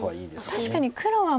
確かに黒は。